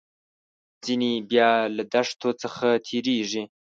ځینې بیا له دښتو څخه تیریږي.